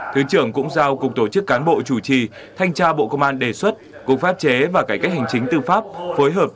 thứ trưởng cũng giao cục tổ chức cán bộ chủ trì thanh tra bộ công an đề xuất cục pháp chế và cải cách hành chính tư pháp phối hợp